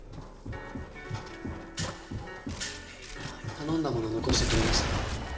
頼んだもの残してくれましたか？